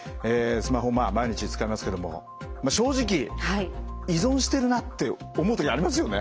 スマホ毎日使いますけども正直依存してるなって思う時ありますよね？